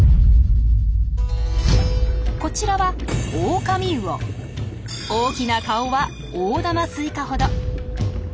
こちらは大きな顔は大玉スイカほど。